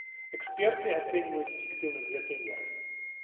Эксперты ацэньваюць эфектыўнасць гэтай меры.